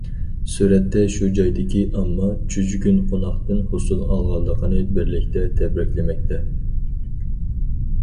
سۈرەتتە، شۇ جايدىكى ئامما چۈجگۈن قوناقتىن ھوسۇل ئالغانلىقىنى بىرلىكتە تەبرىكلىمەكتە.